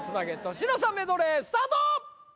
年の差メドレースタート！